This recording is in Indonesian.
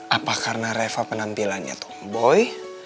apa karena reva penampilannya tomboy